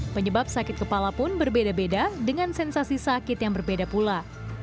penyebab sakit kepala pun berbeda beda dengan sensasi sakit yang berbeda pula